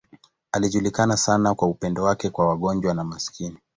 Alijulikana sana kwa upendo wake kwa wagonjwa na maskini.